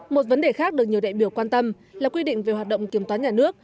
một vấn đề khác được nhiều đại biểu quan tâm là quy định về hoạt động kiểm toán nhà nước